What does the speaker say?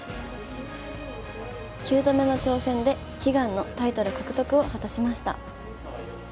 ９度目の挑戦で悲願のタイトル獲得を果たしました。